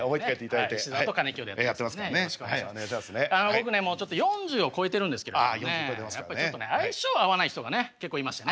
僕ねもうちょっと４０を超えてるんですけどもねやっぱちょっとね相性合わない人がね結構いましてね。